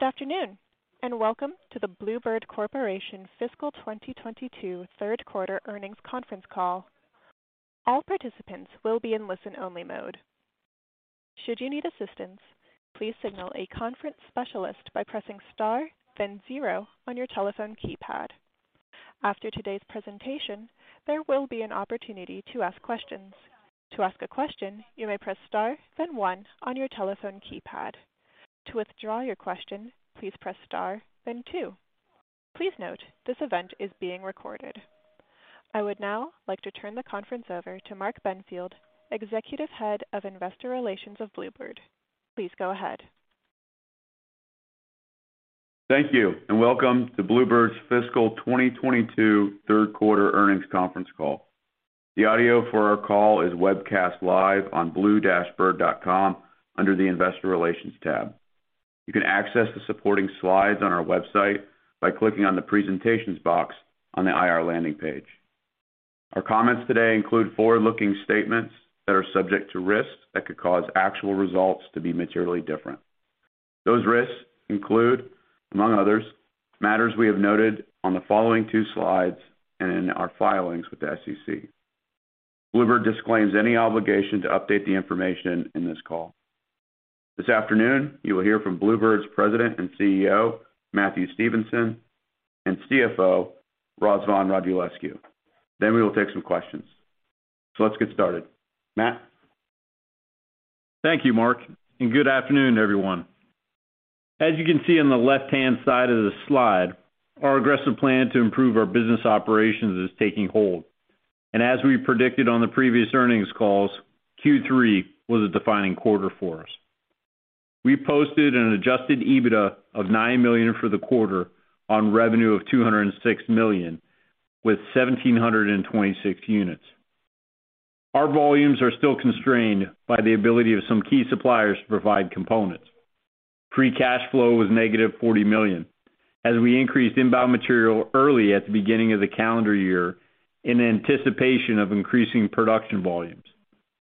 Good afternoon, and welcome to the Blue Bird Corporation Fiscal 2022 Third Quarter Earnings Conference Call. All participants will be in listen-only mode. Should you need assistance, please signal a conference specialist by pressing Star, then zero on your telephone keypad. After today's presentation, there will be an opportunity to ask questions. To ask a question, you may press Star, then one on your telephone keypad. To withdraw your question, please press Star, then two. Please note, this event is being recorded. I would now like to turn the conference over to Mark Benfield, Head of Investor Relations of Blue Bird. Please go ahead. Thank you, and welcome to Blue Bird's Fiscal 2022 third quarter earnings conference call. The audio for our call is webcast live on blue-bird.com under the Investor Relations tab. You can access the supporting slides on our website by clicking on the presentations box on the IR landing page. Our comments today include forward-looking statements that are subject to risks that could cause actual results to be materially different. Those risks include, among others, matters we have noted on the following two slides and in our filings with the SEC. Blue Bird disclaims any obligation to update the information in this call. This afternoon, you will hear from Blue Bird's President and CEO, Matthew Stevenson, and CFO, Razvan Radulescu. We will take some questions. Let's get started. Matt? Thank you, Mark, and good afternoon, everyone. As you can see on the left-hand side of the slide, our aggressive plan to improve our business operations is taking hold. As we predicted on the previous earnings calls, Q3 was a defining quarter for us. We posted an Adjusted EBITDA of $9 million for the quarter on revenue of $206 million with 1,726 units. Our volumes are still constrained by the ability of some key suppliers to provide components. Free cash flow was negative $40 million as we increased inbound material early at the beginning of the calendar year in anticipation of increasing production volumes.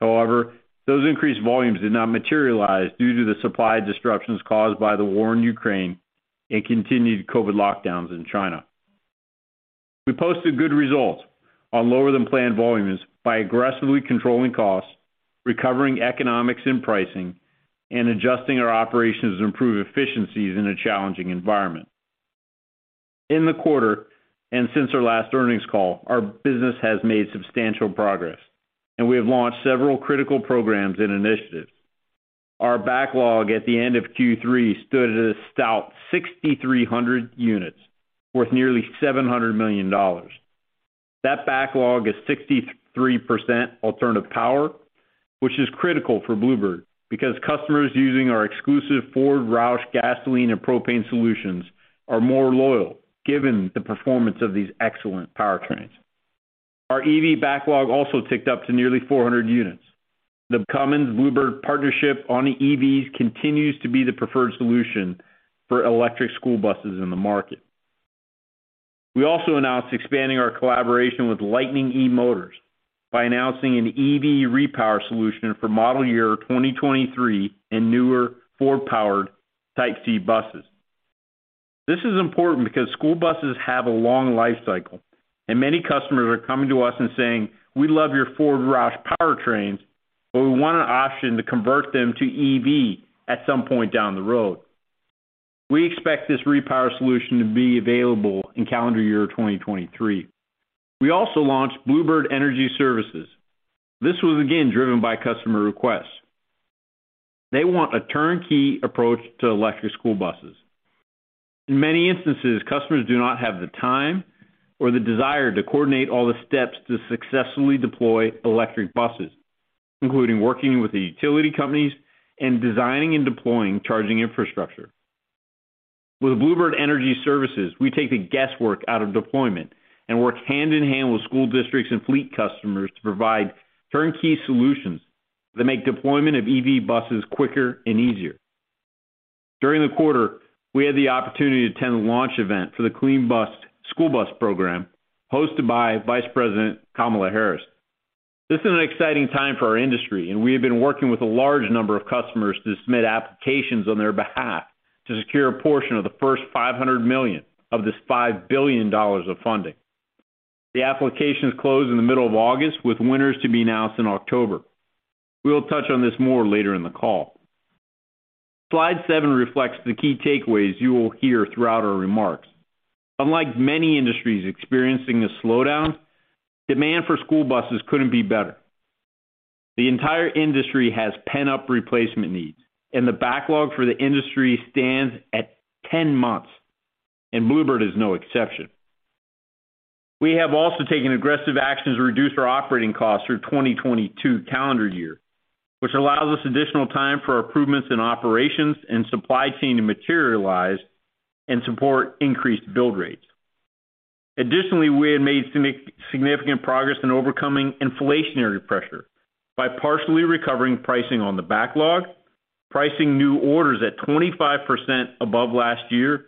However, those increased volumes did not materialize due to the supply disruptions caused by the war in Ukraine and continued COVID lockdowns in China. We posted good results on lower-than-planned volumes by aggressively controlling costs, recovering economics and pricing, and adjusting our operations to improve efficiencies in a challenging environment. In the quarter, and since our last earnings call, our business has made substantial progress, and we have launched several critical programs and initiatives. Our backlog at the end of Q3 stood at a stout 6,300 units, worth nearly $700 million. That backlog is 63% alternative power, which is critical for Blue Bird because customers using our exclusive Ford Roush gasoline and propane solutions are more loyal given the performance of these excellent powertrains. Our EV backlog also ticked up to nearly 400 units. The Cummins-Blue Bird partnership on the EVs continues to be the preferred solution for electric school buses in the market. We also announced expanding our collaboration with Lightning eMotors by announcing an EV repower solution for model year 2023 and newer Ford-powered Type C buses. This is important because school buses have a long life cycle, and many customers are coming to us and saying, "We love your Ford Roush powertrains, but we want an option to convert them to EV at some point down the road." We expect this repower solution to be available in calendar year 2023. We also launched Blue Bird Energy Services. This was again driven by customer requests. They want a turnkey approach to electric school buses. In many instances, customers do not have the time or the desire to coordinate all the steps to successfully deploy electric buses, including working with the utility companies and designing and deploying charging infrastructure. With Blue Bird Energy Services, we take the guesswork out of deployment and work hand-in-hand with school districts and fleet customers to provide turnkey solutions that make deployment of EV buses quicker and easier. During the quarter, we had the opportunity to attend the launch event for the Clean School Bus Program hosted by Vice President Kamala Harris. This is an exciting time for our industry, and we have been working with a large number of customers to submit applications on their behalf to secure a portion of the first $500 million of this $5 billion of funding. The applications close in the middle of August, with winners to be announced in October. We'll touch on this more later in the call. Slide seven reflects the key takeaways you will hear throughout our remarks. Unlike many industries experiencing a slowdown, demand for school buses couldn't be better. The entire industry has pent-up replacement needs, and the backlog for the industry stands at 10 months, and Blue Bird is no exception. We have also taken aggressive actions to reduce our operating costs through 2022 calendar year, which allows us additional time for improvements in operations and supply chain to materialize and support increased build rates. Additionally, we have made significant progress in overcoming inflationary pressure by partially recovering pricing on the backlog, pricing new orders at 25% above last year,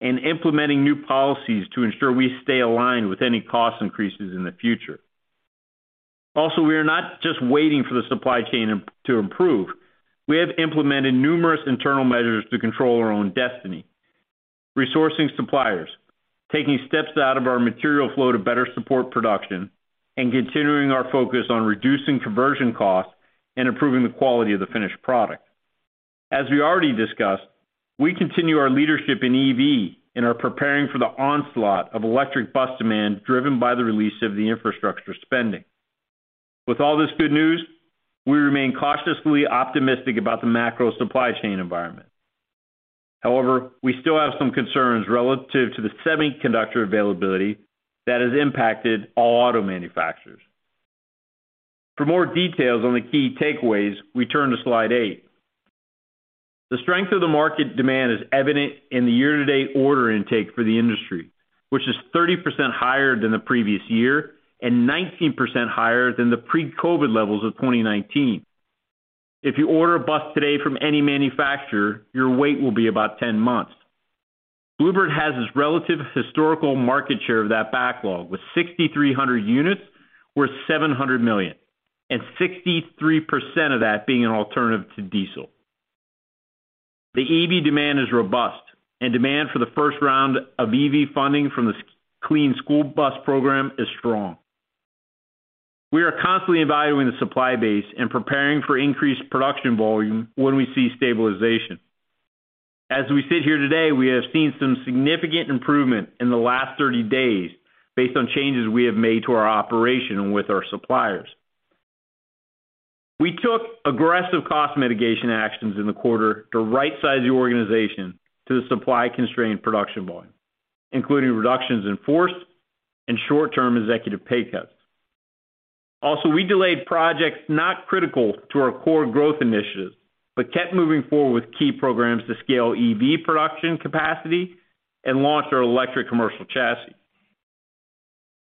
and implementing new policies to ensure we stay aligned with any cost increases in the future. Also, we are not just waiting for the supply chain to improve. We have implemented numerous internal measures to control our own destiny. Resourcing suppliers, taking steps out of our material flow to better support production, and continuing our focus on reducing conversion costs and improving the quality of the finished product. As we already discussed, we continue our leadership in EV and are preparing for the onslaught of electric bus demand driven by the release of the infrastructure spending. With all this good news, we remain cautiously optimistic about the macro supply chain environment. However, we still have some concerns relative to the semiconductor availability that has impacted all auto manufacturers. For more details on the key takeaways, we turn to slide eight. The strength of the market demand is evident in the year-to-date order intake for the industry, which is 30% higher than the previous year and 19% higher than the pre-COVID levels of 2019. If you order a bus today from any manufacturer, your wait will be about 10 months. Blue Bird has its relative historical market share of that backlog with 6,300 units worth $700 million, and 63% of that being an alternative to diesel. The EV demand is robust and demand for the first round of EV funding from the Clean School Bus Program is strong. We are constantly evaluating the supply base and preparing for increased production volume when we see stabilization. As we sit here today, we have seen some significant improvement in the last 30 days based on changes we have made to our operation with our suppliers. We took aggressive cost mitigation actions in the quarter to rightsize the organization to the supply constrained production volume, including reductions in force and short-term executive pay cuts. Also, we delayed projects not critical to our core growth initiatives, but kept moving forward with key programs to scale EV production capacity and launch our electric commercial chassis.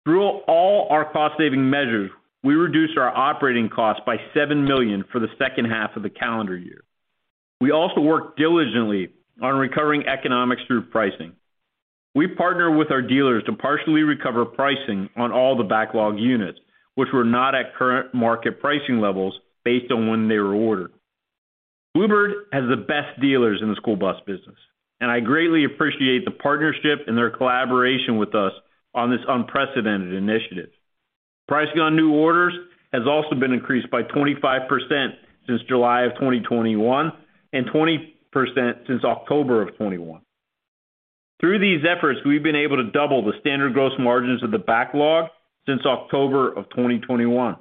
Through all our cost-saving measures, we reduced our operating costs by $7 million for the second half of the calendar year. We also worked diligently on recovering economics through pricing. We partner with our dealers to partially recover pricing on all the backlog units, which were not at current market pricing levels based on when they were ordered. Blue Bird has the best dealers in the school bus business, and I greatly appreciate the partnership and their collaboration with us on this unprecedented initiative. Pricing on new orders has also been increased by 25% since July of 2021 and 20% since October of 2021. Through these efforts, we've been able to double the standard gross margins of the backlog since October of 2021.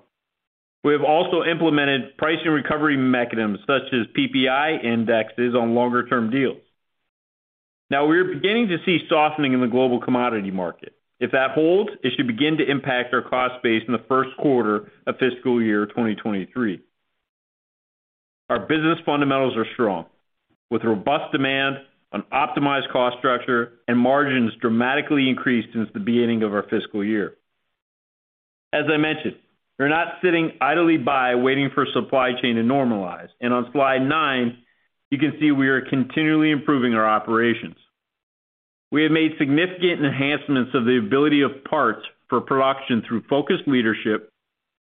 We have also implemented pricing recovery mechanisms such as PPI indexes on longer-term deals. Now we're beginning to see softening in the global commodity market. If that holds, it should begin to impact our cost base in the first quarter of fiscal year 2023. Our business fundamentals are strong with robust demand, an optimized cost structure, and margins dramatically increased since the beginning of our fiscal year. As I mentioned, we're not sitting idly by waiting for supply chain to normalize, and on slide 9, you can see we are continually improving our operations. We have made significant enhancements to the availability of parts for production through focused leadership,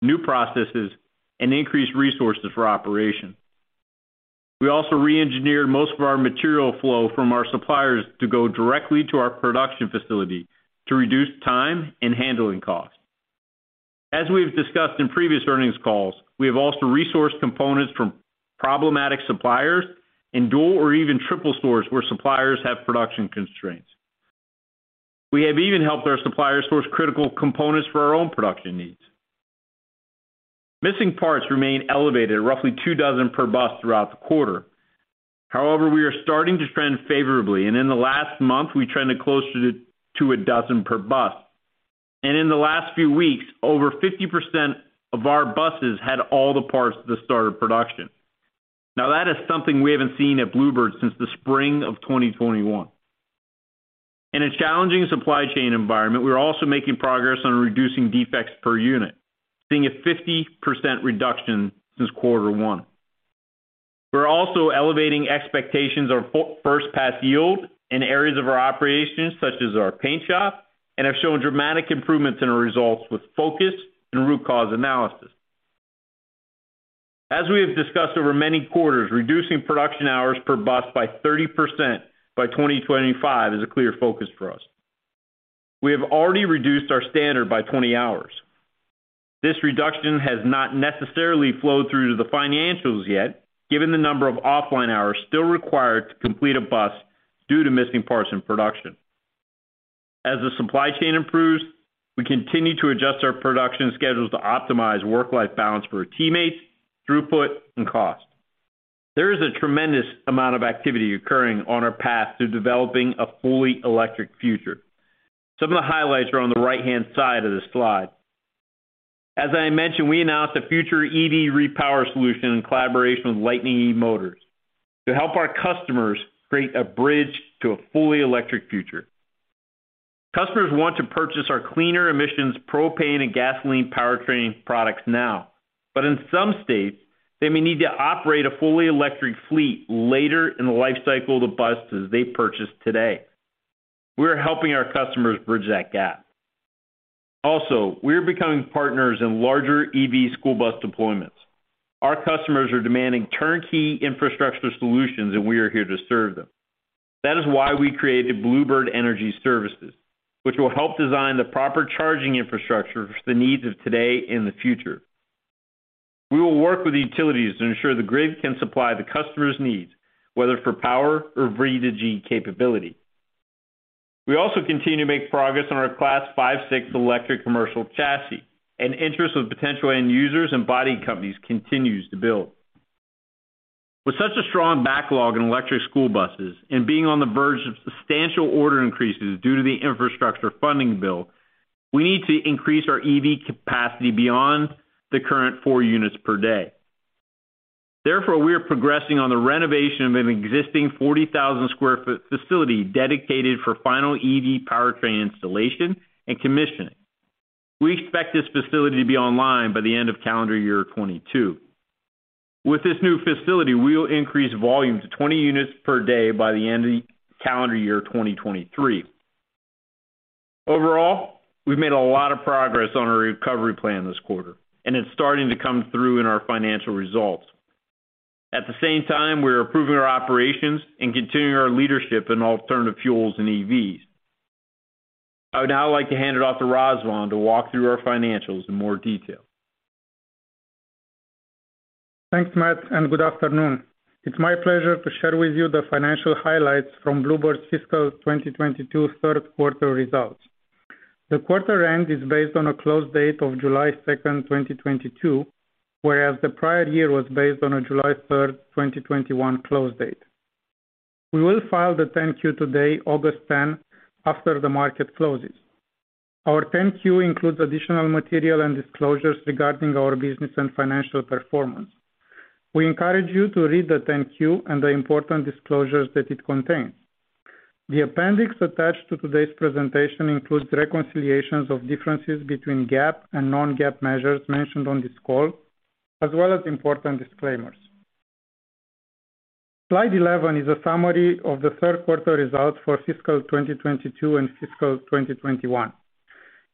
new processes, and increased resources for operations. We also re-engineered most of our material flow from our suppliers to go directly to our production facility to reduce time and handling costs. As we've discussed in previous earnings calls, we have also resourced components from problematic suppliers in dual or even triple source where suppliers have production constraints. We have even helped our suppliers source critical components for our own production needs. Missing parts remain elevated at roughly 24 per bus throughout the quarter. However, we are starting to trend favorably, and in the last month, we trended closer to 12 per bus. In the last few weeks, over 50% of our buses had all the parts at the start of production. Now that is something we haven't seen at Blue Bird since the spring of 2021. In a challenging supply chain environment, we're also making progress on reducing defects per unit, seeing a 50% reduction since quarter one. We're also elevating expectations of first pass yield in areas of our operations, such as our paint shop, and have shown dramatic improvements in our results with focus and root cause analysis. As we have discussed over many quarters, reducing production hours per bus by 30% by 2025 is a clear focus for us. We have already reduced our standard by 20 hours. This reduction has not necessarily flowed through to the financials yet, given the number of offline hours still required to complete a bus due to missing parts in production. As the supply chain improves, we continue to adjust our production schedules to optimize work-life balance for our teammates, throughput, and cost. There is a tremendous amount of activity occurring on our path to developing a fully electric future. Some of the highlights are on the right-hand side of this slide. As I mentioned, we announced a future EV repower solution in collaboration with Lightning eMotors to help our customers create a bridge to a fully electric future. Customers want to purchase our cleaner emissions propane and gasoline powertrain products now, but in some states, they may need to operate a fully electric fleet later in the lifecycle of the buses they purchase today. We're helping our customers bridge that gap. Also, we're becoming partners in larger EV school bus deployments. Our customers are demanding turnkey infrastructure solutions, and we are here to serve them. That is why we created Blue Bird Energy Services, which will help design the proper charging infrastructure for the needs of today and the future. We will work with the utilities to ensure the grid can supply the customers' needs, whether for power or V2G capability. We also continue to make progress on our Class five to six electric commercial chassis, and interest with potential end users and body companies continues to build. With such a strong backlog in electric school buses and being on the verge of substantial order increases due to the infrastructure funding bill, we need to increase our EV capacity beyond the current four units per day. Therefore, we are progressing on the renovation of an existing 40,000 sq ft facility dedicated for final EV powertrain installation and commissioning. We expect this facility to be online by the end of calendar year 2022. With this new facility, we will increase volume to 20 units per day by the end of calendar year 2023. Overall, we've made a lot of progress on our recovery plan this quarter, and it's starting to come through in our financial results. At the same time, we are improving our operations and continuing our leadership in alternative fuels and EVs. I would now like to hand it off to Razvan to walk through our financials in more detail. Thanks, Matt, and good afternoon. It's my pleasure to share with you the financial highlights from Blue Bird's fiscal 2022 third quarter results. The quarter end is based on a close date of July 2, 2022, whereas the prior year was based on a July 3, 2021 close date. We will file the 10-Q today, August 10, after the market closes. Our 10-Q includes additional material and disclosures regarding our business and financial performance. We encourage you to read the 10-Q and the important disclosures that it contains. The appendix attached to today's presentation includes reconciliations of differences between GAAP and non-GAAP measures mentioned on this call, as well as important disclaimers. Slide 11 is a summary of the third quarter results for fiscal 2022 and fiscal 2021.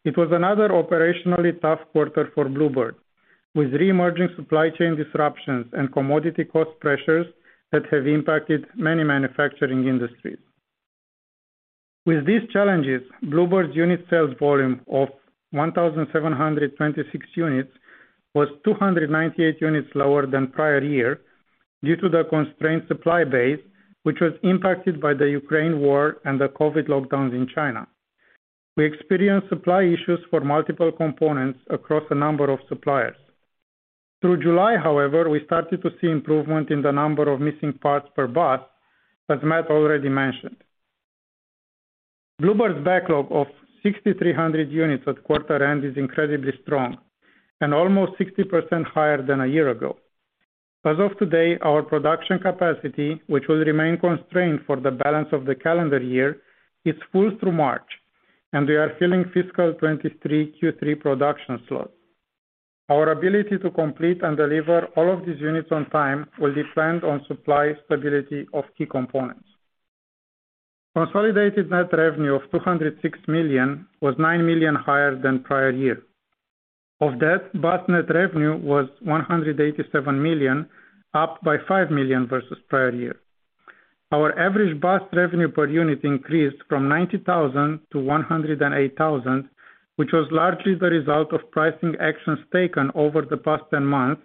It was another operationally tough quarter for Blue Bird, with reemerging supply chain disruptions and commodity cost pressures that have impacted many manufacturing industries. With these challenges, Blue Bird's unit sales volume of 1,726 units was 298 units lower than prior year due to the constrained supply base, which was impacted by the Ukraine war and the COVID lockdowns in China. We experienced supply issues for multiple components across a number of suppliers. Through July, however, we started to see improvement in the number of missing parts per bus, as Matt already mentioned. Blue Bird's backlog of 6,300 units at quarter end is incredibly strong and almost 60% higher than a year ago. As of today, our production capacity, which will remain constrained for the balance of the calendar year, is full through March, and we are filling fiscal 2023 Q3 production slots. Our ability to complete and deliver all of these units on time will depend on supply stability of key components. Consolidated net revenue of $206 million was $9 million higher than prior year. Of that, bus net revenue was $187 million, up by $5 million versus prior year. Our average bus revenue per unit increased from $90,000 to $108,000, which was largely the result of pricing actions taken over the past 10 months,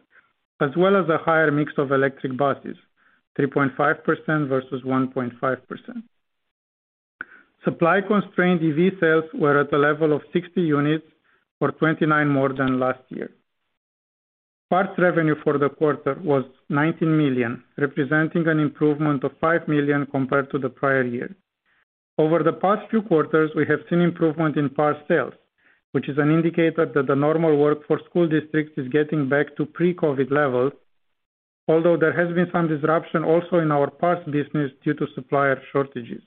as well as a higher mix of electric buses, 3.5% versus 1.5%. Supply constrained EV sales were at the level of 60 units, or 29 more than last year. Parts revenue for the quarter was $19 million, representing an improvement of $5 million compared to the prior year. Over the past few quarters, we have seen improvement in parts sales, which is an indicator that the normal work for school districts is getting back to pre-COVID levels, although there has been some disruption also in our parts business due to supplier shortages.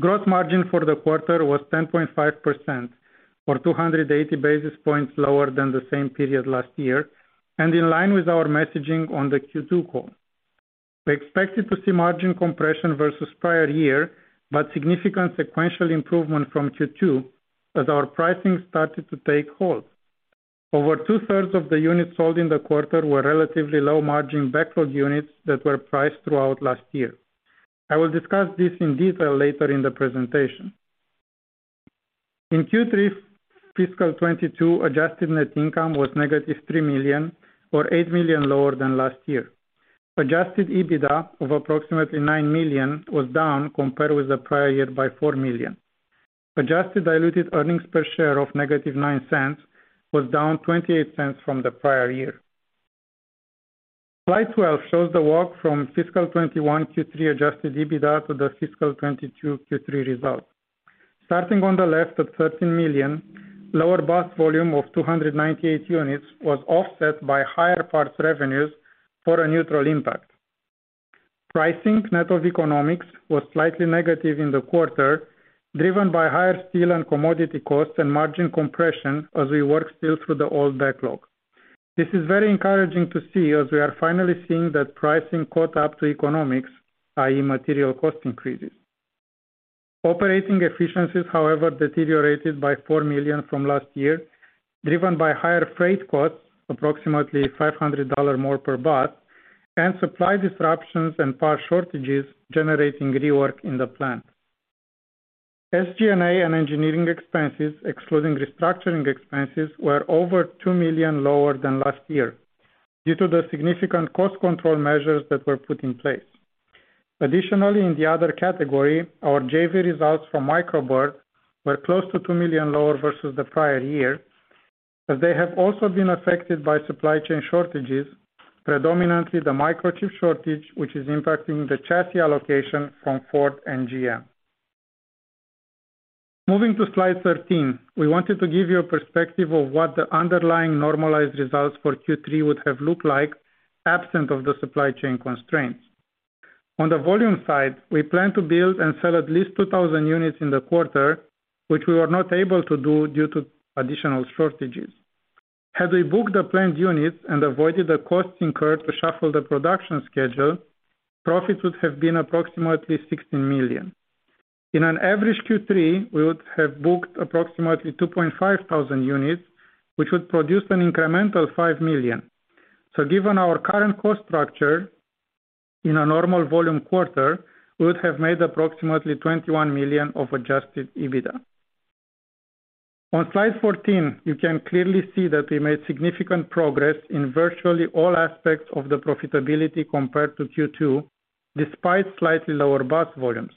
Gross margin for the quarter was 10.5%, or 280 basis points lower than the same period last year, and in line with our messaging on the Q2 call. We expected to see margin compression versus prior year, but significant sequential improvement from Q2 as our pricing started to take hold. Over two-thirds of the units sold in the quarter were relatively low margin backlog units that were priced throughout last year. I will discuss this in detail later in the presentation. In Q3 fiscal 2022, adjusted net income was -$3 million or $8 million lower than last year. Adjusted EBITDA of approximately $9 million was down compared with the prior year by $4 million. Adjusted diluted earnings per share of negative $0.09 was down $0.28 from the prior year. Slide 12 shows the walk from fiscal 2021 Q3 Adjusted EBITDA to the fiscal 2022 Q3 results. Starting on the left at $13 million, lower bus volume of 298 units was offset by higher parts revenues for a neutral impact. Pricing net of economics was slightly negative in the quarter, driven by higher steel and commodity costs and margin compression as we work still through the old backlog. This is very encouraging to see as we are finally seeing that pricing caught up to economics, i.e. material cost increases. Operating efficiencies, however, deteriorated by $4 million from last year, driven by higher freight costs, approximately $500 more per bus, and supply disruptions and parts shortages generating rework in the plant. SG&A and engineering expenses, excluding restructuring expenses, were over $2 million lower than last year due to the significant cost control measures that were put in place. Additionally, in the other category, our JV results from Micro Bird were close to $2 million lower versus the prior year, as they have also been affected by supply chain shortages, predominantly the microchip shortage, which is impacting the chassis allocation from Ford and GM. Moving to slide 13, we wanted to give you a perspective of what the underlying normalized results for Q3 would have looked like absent of the supply chain constraints. On the volume side, we plan to build and sell at least 2,000 units in the quarter, which we were not able to do due to additional shortages. Had we booked the planned units and avoided the costs incurred to shuffle the production schedule, profits would have been approximately $16 million. In an average Q3, we would have booked approximately 2,500 units, which would produce an incremental $5 million. Given our current cost structure in a normal volume quarter, we would have made approximately $21 million of Adjusted EBITDA. On slide 14, you can clearly see that we made significant progress in virtually all aspects of the profitability compared to Q2, despite slightly lower bus volumes.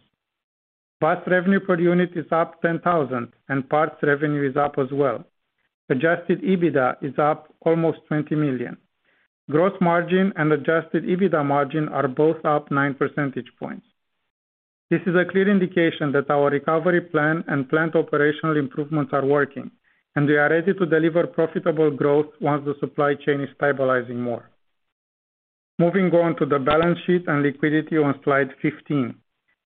Bus revenue per unit is up $10,000, and parts revenue is up as well. Adjusted EBITDA is up almost $20 million. Gross margin and Adjusted EBITDA margin are both up 9 percentage points. This is a clear indication that our recovery plan and plant operational improvements are working, and we are ready to deliver profitable growth once the supply chain is stabilizing more. Moving on to the balance sheet and liquidity on slide 15.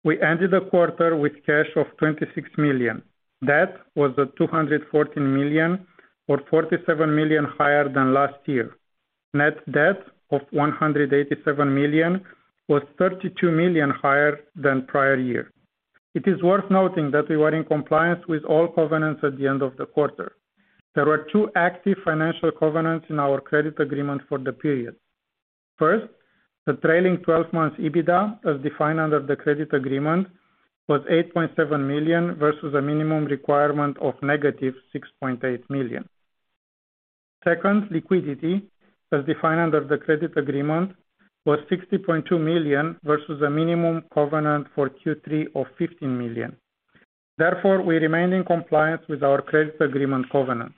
We ended the quarter with cash of $26 million. Debt was at $214 million, or $47 million higher than last year. Net debt of $187 million was $32 million higher than prior year. It is worth noting that we were in compliance with all covenants at the end of the quarter. There were two active financial covenants in our credit agreement for the period. First, the trailing twelve months EBITDA, as defined under the credit agreement, was $8.7 million versus a minimum requirement of -$6.8 million. Second, liquidity, as defined under the credit agreement, was $60.2 million versus a minimum covenant for Q3 of $15 million. Therefore, we remained in compliance with our credit agreement covenants.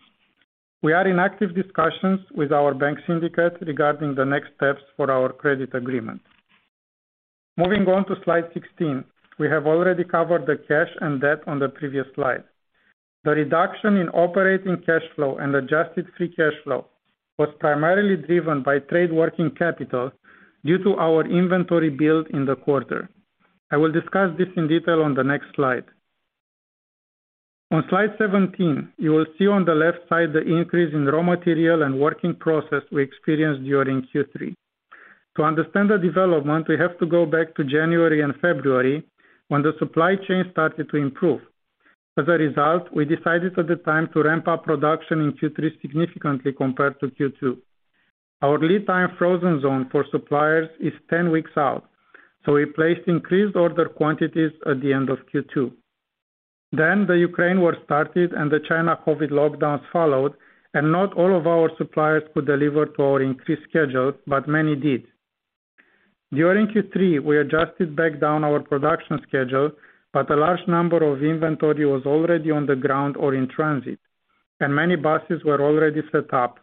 We are in active discussions with our bank syndicate regarding the next steps for our credit agreement. Moving on to slide 16. We have already covered the cash and debt on the previous slide. The reduction in operating cash flow and adjusted free cash flow was primarily driven by trade working capital due to our inventory build in the quarter. I will discuss this in detail on the next slide. On slide 17, you will see on the left side the increase in raw material and work in process we experienced during Q3. To understand the development, we have to go back to January and February, when the supply chain started to improve. As a result, we decided at the time to ramp up production in Q3 significantly compared to Q2. Our lead time frozen zone for suppliers is 10 weeks out, so we placed increased order quantities at the end of Q2. The Ukraine war started and the China COVID lockdowns followed, and not all of our suppliers could deliver to our increased schedule, but many did. During Q3, we adjusted back down our production schedule, but a large number of inventory was already on the ground or in transit, and many buses were already set up.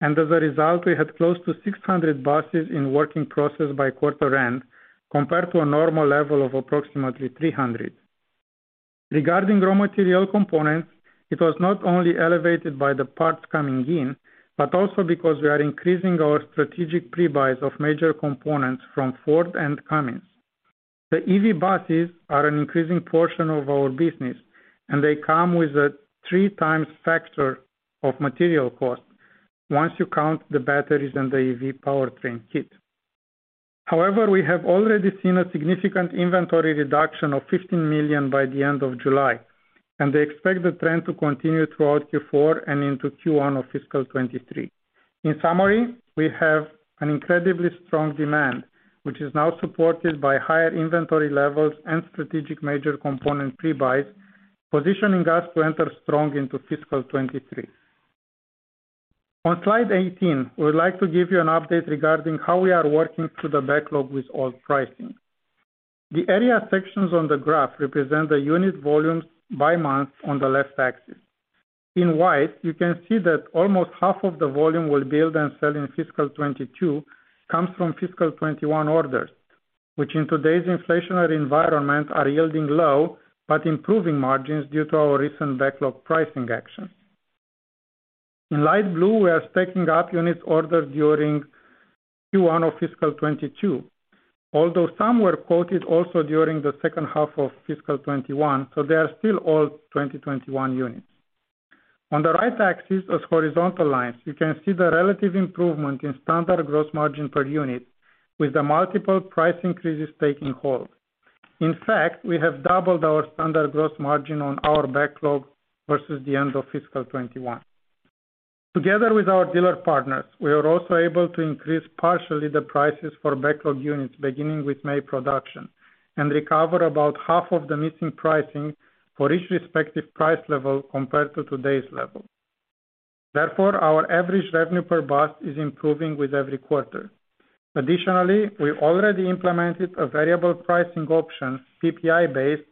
As a result, we had close to 600 buses in work in process by quarter end, compared to a normal level of approximately 300. Regarding raw material components, it was not only elevated by the parts coming in, but also because we are increasing our strategic pre-buys of major components from Ford and Cummins. The EV buses are an increasing portion of our business, and they come with a 3x factor of material cost once you count the batteries and the EV powertrain kit. However, we have already seen a significant inventory reduction of $15 million by the end of July, and they expect the trend to continue throughout Q4 and into Q1 of fiscal 2023. In summary, we have an incredibly strong demand, which is now supported by higher inventory levels and strategic major component pre-buys, positioning us to enter strong into fiscal 2023. On slide 18, we would like to give you an update regarding how we are working through the backlog with old pricing. The area sections on the graph represent the unit volumes by month on the left axis. In white, you can see that almost half of the volume we'll build and sell in fiscal 2022 comes from fiscal 2021 orders, which in today's inflationary environment are yielding low, but improving margins due to our recent backlog pricing actions. In light blue, we are stacking up units ordered during Q1 of fiscal 2022. Although some were quoted also during the second half of fiscal 2021, so they are still all 2021 units. On the right axis, as horizontal lines, you can see the relative improvement in standard gross margin per unit with the multiple price increases taking hold. In fact, we have doubled our standard gross margin on our backlog versus the end of fiscal 2021. Together with our dealer partners, we are also able to increase partially the prices for backlog units beginning with May production, and recover about half of the missing pricing for each respective price level compared to today's level. Therefore, our average revenue per bus is improving with every quarter. Additionally, we already implemented a variable pricing option, PPI-based,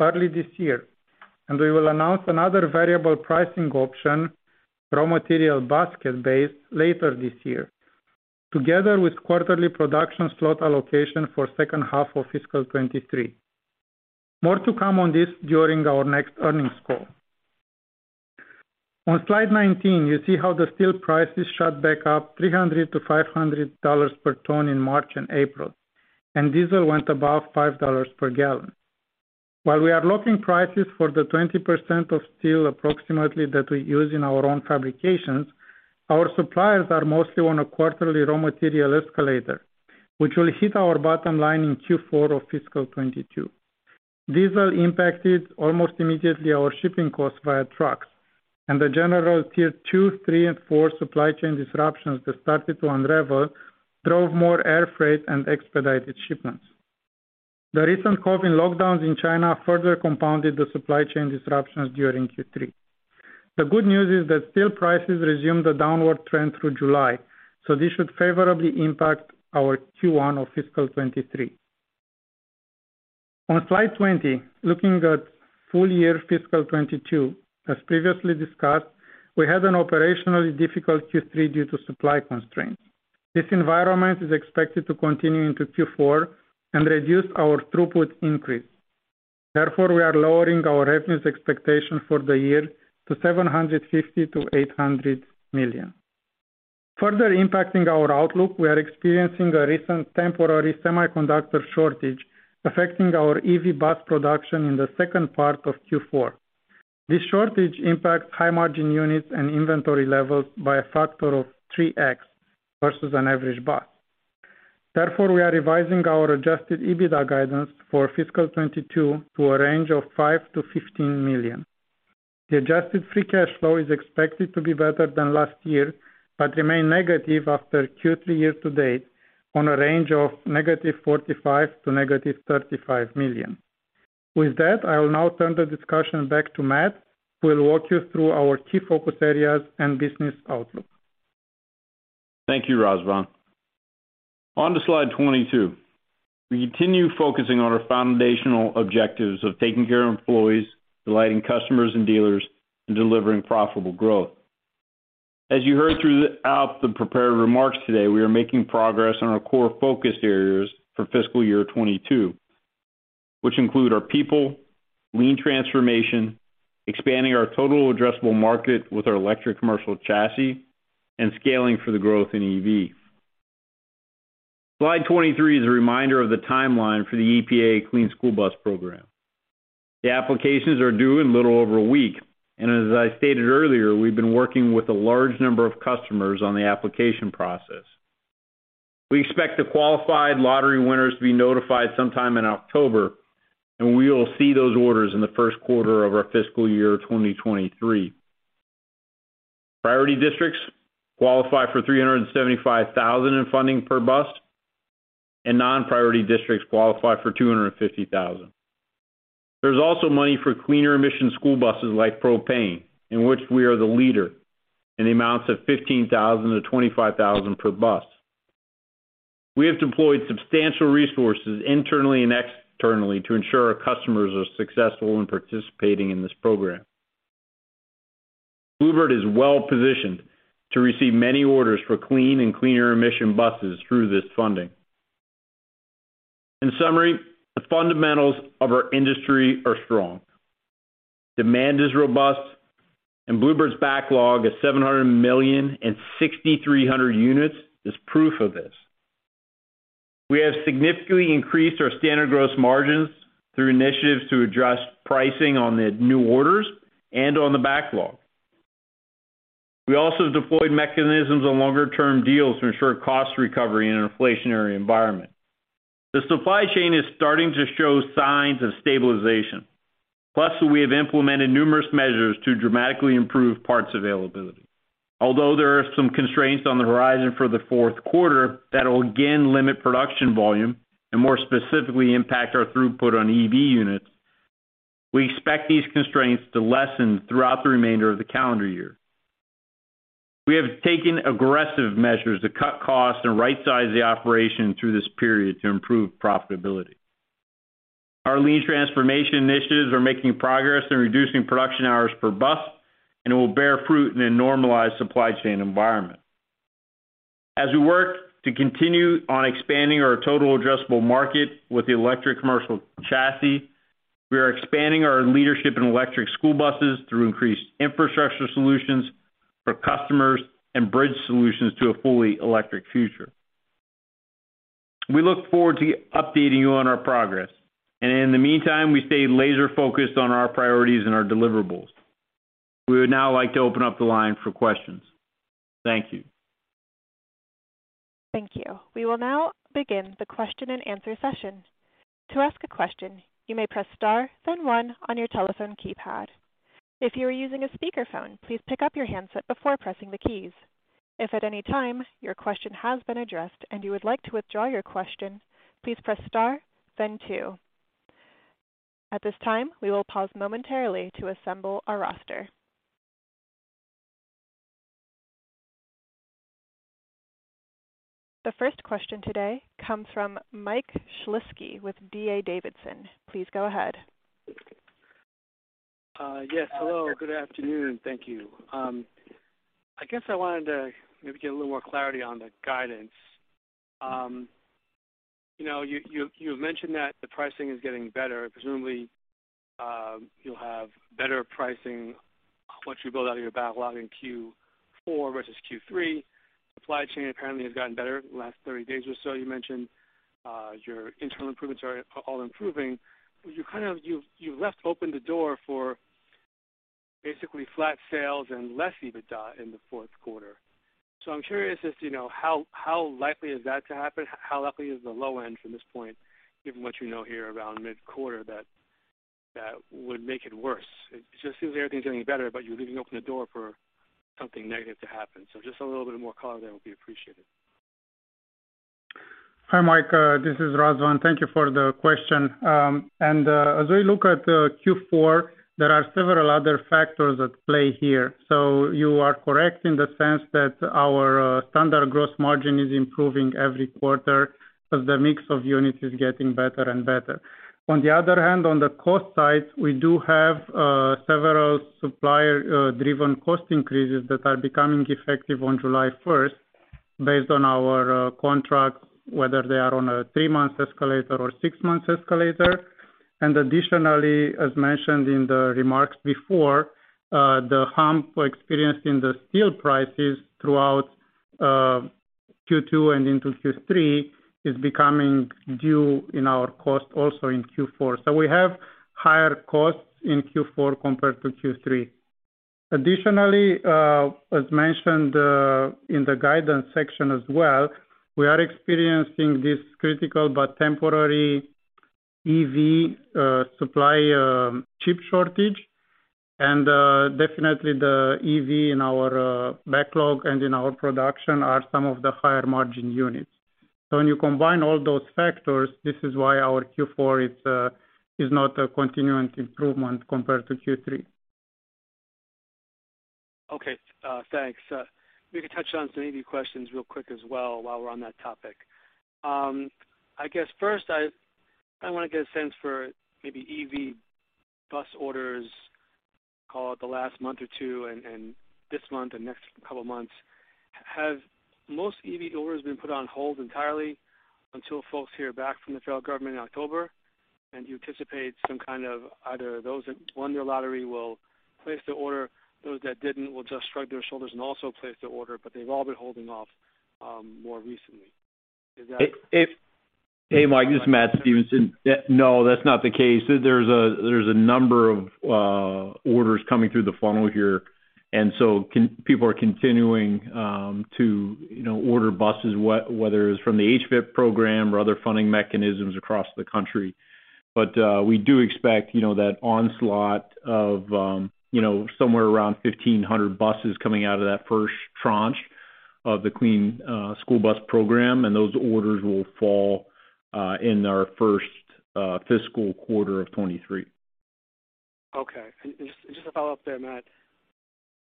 early this year, and we will announce another variable pricing option, raw material basket-based, later this year, together with quarterly production slot allocation for second half of fiscal 2023. More to come on this during our next earnings call. On slide 19, you see how the steel prices shot back up $300-$500 per ton in March and April, and diesel went above $5 per gallon. While we are locking prices for the 20% of steel approximately that we use in our own fabrications, our suppliers are mostly on a quarterly raw material escalator, which will hit our bottom line in Q4 of fiscal 2022. Diesel impacted almost immediately our shipping costs via trucks, and the general tier two, three, and four supply chain disruptions that started to unravel drove more air freight and expedited shipments. The recent COVID lockdowns in China further compounded the supply chain disruptions during Q3. The good news is that steel prices resumed a downward trend through July, so this should favorably impact our Q1 of fiscal 2023. On slide 20, looking at full year fiscal 2022, as previously discussed, we had an operationally difficult Q3 due to supply constraints. This environment is expected to continue into Q4 and reduce our throughput increase. Therefore, we are lowering our revenues expectation for the year to $750 million-$800 million. Further impacting our outlook, we are experiencing a recent temporary semiconductor shortage affecting our EV bus production in the second part of Q4. This shortage impacts high margin units and inventory levels by a factor of 3x versus an average bus. Therefore, we are revising our Adjusted EBITDA guidance for fiscal 2022 to a range of $5 million-$15 million. The adjusted free cash flow is expected to be better than last year, but remain negative after Q3 year to date on a range of -$45 million to -$35 million. With that, I will now turn the discussion back to Matt, who will walk you through our key focus areas and business outlook. Thank you, Razvan. On to slide 22. We continue focusing on our foundational objectives of taking care of employees, delighting customers and dealers, and delivering profitable growth. As you heard throughout the prepared remarks today, we are making progress on our core focus areas for fiscal year 2022, which include our people, lean transformation, expanding our total addressable market with our electric commercial chassis, and scaling for the growth in EV. Slide 23 is a reminder of the timeline for the EPA Clean School Bus Program. The applications are due in a little over a week, and as I stated earlier, we've been working with a large number of customers on the application process. We expect the qualified lottery winners to be notified sometime in October, and we will see those orders in the first quarter of our fiscal year 2023. Priority districts qualify for $375,000 in funding per bus, and non-priority districts qualify for $250,000. There's also money for cleaner emission school buses like propane, in which we are the leader in the amounts of $15,000-$25,000 per bus. We have deployed substantial resources internally and externally to ensure our customers are successful in participating in this program. Blue Bird is well-positioned to receive many orders for clean and cleaner emission buses through this funding. In summary, the fundamentals of our industry are strong. Demand is robust, and Blue Bird's backlog of $763 million is proof of this. We have significantly increased our standard gross margins through initiatives to address pricing on the new orders and on the backlog. We also deployed mechanisms on longer-term deals to ensure cost recovery in an inflationary environment. The supply chain is starting to show signs of stabilization. Plus, we have implemented numerous measures to dramatically improve parts availability. Although there are some constraints on the horizon for the fourth quarter that will again limit production volume and more specifically impact our throughput on EV units, we expect these constraints to lessen throughout the remainder of the calendar year. We have taken aggressive measures to cut costs and right-size the operation through this period to improve profitability. Our lean transformation initiatives are making progress in reducing production hours per bus, and it will bear fruit in a normalized supply chain environment. As we work to continue on expanding our total addressable market with the electric commercial chassis. We are expanding our leadership in electric school buses through increased infrastructure solutions for customers and bridge solutions to a fully electric future. We look forward to updating you on our progress, and in the meantime, we stay laser focused on our priorities and our deliverables. We would now like to open up the line for questions. Thank you. Thank you. We will now begin the question and answer session. To ask a question, you may press star, then one on your telephone keypad. If you are using a speakerphone, please pick up your handset before pressing the keys. If at any time your question has been addressed and you would like to withdraw your question, please press star then two. At this time, we will pause momentarily to assemble our roster. The first question today comes from Michael Shlisky with D.A. Davidson. Please go ahead. Yes, hello. Good afternoon. Thank you. I guess I wanted to maybe get a little more clarity on the guidance. You know, you mentioned that the pricing is getting better. Presumably, you'll have better pricing once you build out of your backlog in Q4 versus Q3. Supply chain apparently has gotten better the last 30 days or so. You mentioned, your internal improvements are all improving. You left open the door for basically flat sales and less EBITDA in the fourth quarter. I'm curious as to how likely is that to happen? How likely is the low end from this point, given what you know here around mid-quarter, that would make it worse? It just seems everything's getting better, but you're leaving open the door for something negative to happen. Just a little bit more color there will be appreciated. Hi, Mike, this is Razvan. Thank you for the question. As we look at the Q4, there are several other factors at play here. You are correct in the sense that our standard gross margin is improving every quarter as the mix of units is getting better and better. On the other hand, on the cost side, we do have several supplier driven cost increases that are becoming effective on July first based on our contracts, whether they are on a three-month escalator or six-month escalator. Additionally, as mentioned in the remarks before, the hump we experienced in the steel prices throughout Q2 and into Q3 is becoming due in our cost also in Q4. We have higher costs in Q4 compared to Q3. Additionally, as mentioned, in the guidance section as well, we are experiencing this critical but temporary EV supply chip shortage. Definitely the EV in our backlog and in our production are some of the higher margin units. When you combine all those factors, this is why our Q4 is not a continuing improvement compared to Q3. Okay, thanks. Maybe touch on some EV questions real quick as well while we're on that topic. I guess first I want to get a sense for maybe EV bus orders, call it the last month or two and this month or next couple of months. Have most EV orders been put on hold entirely until folks hear back from the federal government in October, and you anticipate some kind of either those that won your lottery will place the order, those that didn't will just shrug their shoulders and also place the order, but they've all been holding off more recently. Is that? Hey, Mike, this is Matt Stevenson. No, that's not the case. There's a number of orders coming through the funnel here, and so people are continuing to, you know, order buses, whether it's from the HVIP program or other funding mechanisms across the country. We do expect, you know, that onslaught of, you know, somewhere around 1,500 buses coming out of that first tranche of the Clean School Bus Program, and those orders will fall in our first fiscal quarter of 2023. Okay. Just a follow-up there, Matt.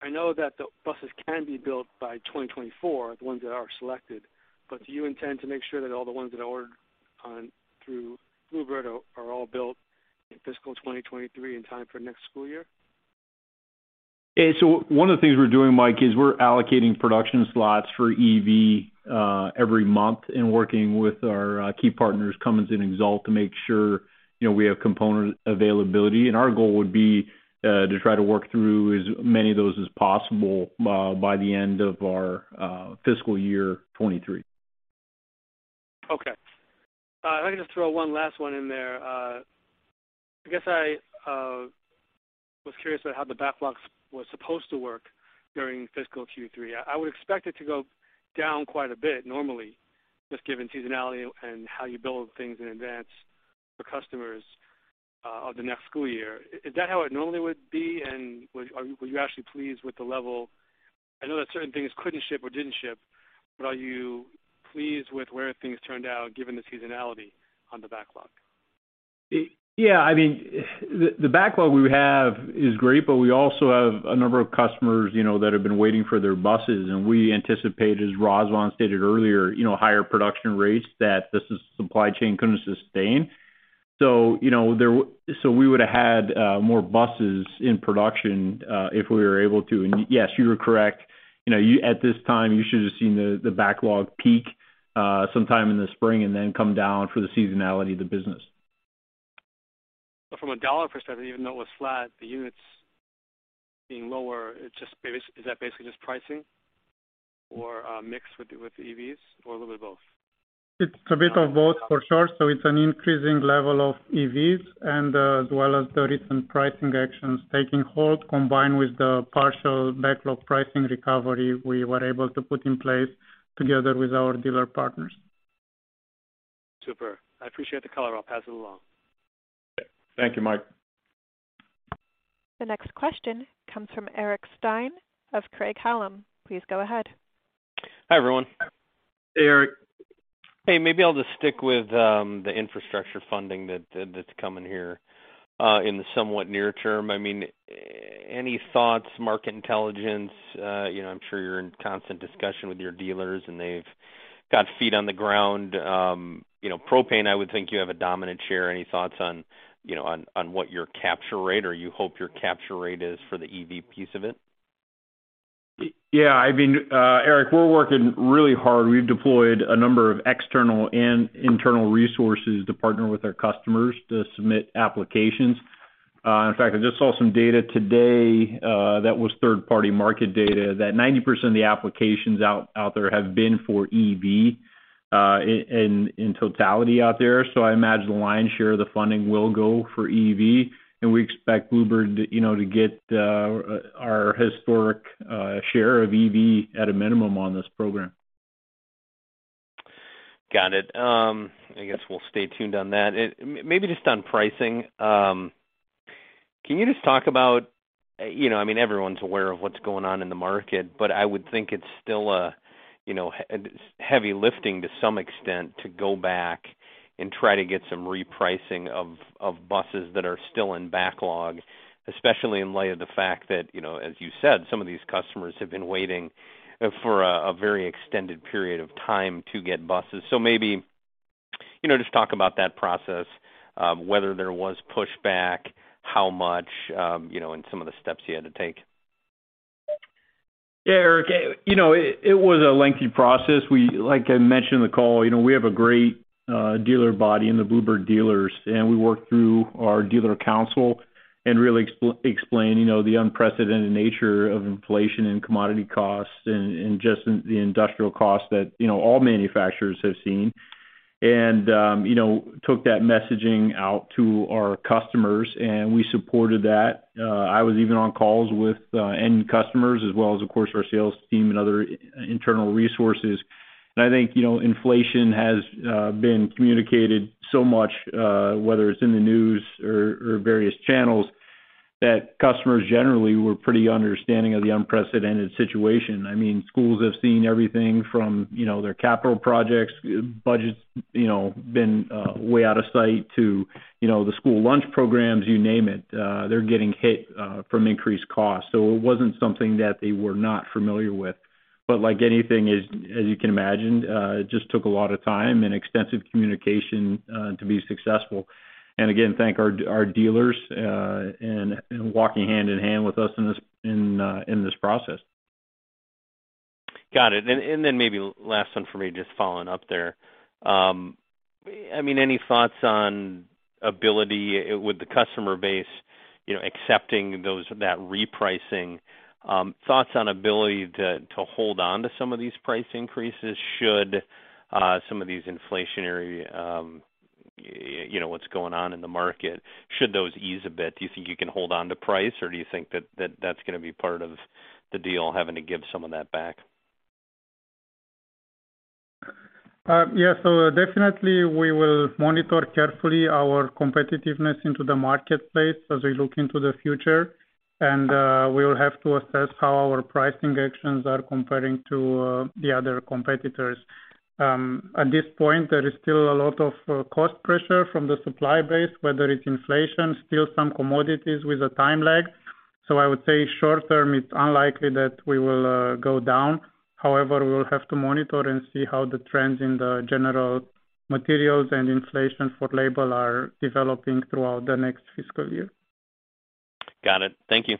I know that the buses can be built by 2024, the ones that are selected, but do you intend to make sure that all the ones that are ordered on through Blue Bird are all built in fiscal 2023 in time for next school year? One of the things we're doing, Mike, is we're allocating production slots for EV every month and working with our key partners, Cummins and Xalt, to make sure, you know, we have component availability. Our goal would be to try to work through as many of those as possible by the end of our fiscal year 2023. Okay. Let me just throw one last one in there. I guess I was curious about how the backlogs was supposed to work during fiscal Q3. I would expect it to go down quite a bit normally, just given seasonality and how you build things in advance for customers of the next school year. Is that how it normally would be? Were you actually pleased with the level? I know that certain things couldn't ship or didn't ship, but are you pleased with where things turned out given the seasonality on the backlog? Yeah, I mean, the backlog we have is great, but we also have a number of customers, you know, that have been waiting for their buses. We anticipate, as Razvan stated earlier, you know, higher production rates that the supply chain couldn't sustain. You know, we would have had more buses in production if we were able to. Yes, you are correct. You know, at this time, you should have seen the backlog peak sometime in the spring and then come down for the seasonality of the business. From a dollar perspective, even though it was flat, the units being lower, is that basically just pricing or mixed with the EVs or a little bit of both? It's a bit of both for sure. It's an increasing level of EVs and, as well as the recent pricing actions taking hold combined with the partial backlog pricing recovery we were able to put in place together with our dealer partners. Super. I appreciate the color. I'll pass it along. Thank you, Mark. The next question comes from Eric Stine of Craig-Hallum. Please go ahead. Hi, everyone. Hey, Eric. Hey, maybe I'll just stick with the infrastructure funding that's coming here in the somewhat near term. I mean, any thoughts, market intelligence? You know, I'm sure you're in constant discussion with your dealers, and they've got feet on the ground. You know, propane, I would think you have a dominant share. Any thoughts on what your capture rate or you hope your capture rate is for the EV piece of it? Yeah, I mean, Eric, we're working really hard. We've deployed a number of external and internal resources to partner with our customers to submit applications. In fact, I just saw some data today that was third-party market data that 90% of the applications out there have been for EV in totality out there. I imagine the lion's share of the funding will go for EV, and we expect Blue Bird, you know, to get our historic share of EV at a minimum on this program. Got it. I guess we'll stay tuned on that. Maybe just on pricing. Can you just talk about, you know, I mean, everyone's aware of what's going on in the market, but I would think it's still a, you know, a heavy lifting to some extent to go back and try to get some repricing of buses that are still in backlog, especially in light of the fact that, you know, as you said, some of these customers have been waiting for a very extended period of time to get buses. Maybe, you know, just talk about that process, whether there was pushback, how much, you know, and some of the steps you had to take. Yeah, Eric. You know, it was a lengthy process. Like I mentioned in the call, you know, we have a great dealer body in the Blue Bird dealers, and we worked through our dealer council and really explained, you know, the unprecedented nature of inflation and commodity costs and just the industrial costs that, you know, all manufacturers have seen. You know, took that messaging out to our customers, and we supported that. I was even on calls with end customers as well as, of course, our sales team and other internal resources. I think, you know, inflation has been communicated so much, whether it's in the news or various channels, that customers generally were pretty understanding of the unprecedented situation. I mean, schools have seen everything from, you know, their capital projects, budgets, you know, been way out of sight to, you know, the school lunch programs, you name it. They're getting hit from increased costs. It wasn't something that they were not familiar with. Like anything, as you can imagine, it just took a lot of time and extensive communication to be successful. Again, thank our dealers in walking hand-in-hand with us in this process. Got it. Then maybe last one for me, just following up there. I mean, any thoughts on ability with the customer base, you know, accepting those, that repricing, thoughts on ability to hold on to some of these price increases should some of these inflationary, you know, what's going on in the market, should those ease a bit? Do you think you can hold on to price, or do you think that that's gonna be part of the deal, having to give some of that back? Definitely we will monitor carefully our competitiveness into the marketplace as we look into the future. We will have to assess how our pricing actions are comparing to the other competitors. At this point, there is still a lot of cost pressure from the supply base, whether it's inflation, still some commodities with a time lag. I would say short term, it's unlikely that we will go down. However, we will have to monitor and see how the trends in the general materials and inflation for labor are developing throughout the next fiscal year. Got it. Thank you.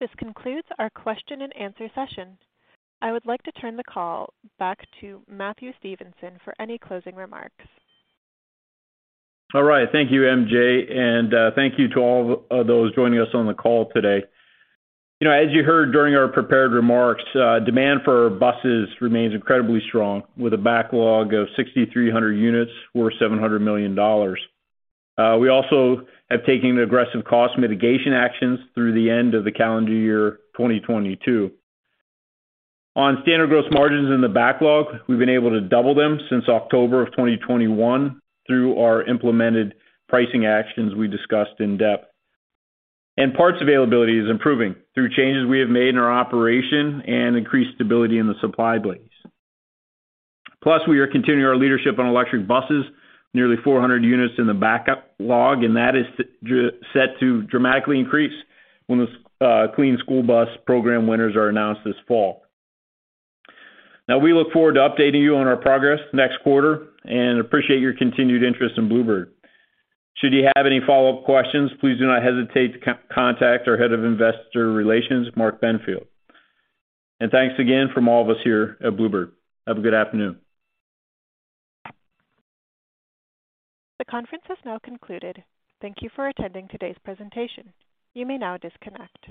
This concludes our question and answer session. I would like to turn the call back to Matthew Stevenson for any closing remarks. All right. Thank you, MJ. Thank you to all of those joining us on the call today. You know, as you heard during our prepared remarks, demand for buses remains incredibly strong with a backlog of 6,300 units or $700 million. We also have taken aggressive cost mitigation actions through the end of the calendar year 2022. On standard gross margins in the backlog, we've been able to double them since October of 2021 through our implemented pricing actions we discussed in depth. Parts availability is improving through changes we have made in our operation and increased stability in the supply base. Plus, we are continuing our leadership on electric buses. Nearly 400 units in the backlog, and that is set to dramatically increase when the Clean School Bus Program winners are announced this fall. Now we look forward to updating you on our progress next quarter and appreciate your continued interest in Blue Bird. Should you have any follow-up questions, please do not hesitate to contact our Head of Investor Relations, Mark Benfield. Thanks again from all of us here at Blue Bird. Have a good afternoon. The conference has now concluded. Thank you for attending today's presentation. You may now disconnect.